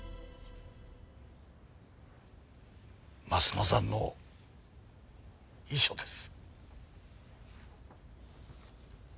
鱒乃さんの遺書です。